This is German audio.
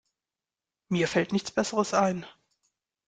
Mir fällt nichts besseres ein.